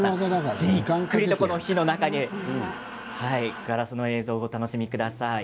じっくりと火の中でガラスの映像をお楽しみください。